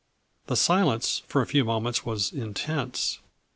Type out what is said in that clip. The silence for a few moments was intense.